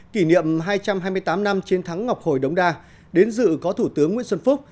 kỷ niệm hai trăm hai mươi tám năm chiến thắng ngọc hồi đống đa đến dự có thủ tướng nguyễn xuân phúc